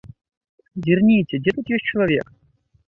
Зірніце, дзе тут ёсць чалавек?